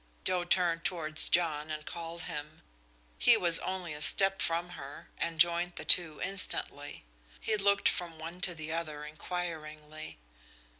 Joe turned towards John and called him. He was only a step from her, and joined the two instantly. He looked from one to the other inquiringly.